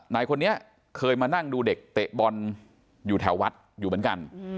นายคนนี้เคยมานั่งดูเด็กเตะบอลอยู่แถววัดอยู่เหมือนกัน